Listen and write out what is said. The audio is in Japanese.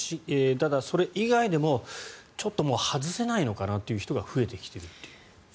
ただ、それ以外でもちょっともう外せないのかなっていう人が増えてきているっていう。